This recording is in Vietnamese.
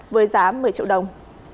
với giá một mươi triệu đồng